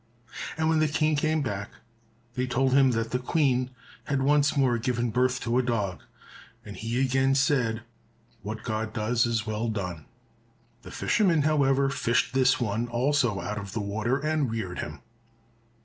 And when the King came back, they told him that the Queen had once more given birth to a dog, and he again said, "What God does, is well done." The fisherman, however, fished this one also out of the water, and reared him.